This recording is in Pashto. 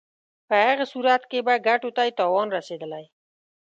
په هغه صورت کې به ګټو ته یې تاوان رسېدلی.